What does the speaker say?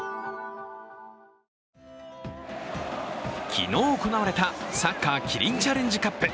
昨日、行われたサッカーキリンチャレンジカップ。